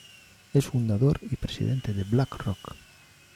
Es fundador y presidente de BlackRock.